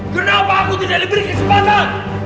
kenapa aku tidak diberi kesempatan